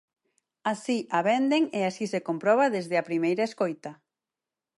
Así a venden e así se comproba desde a primeira escoita.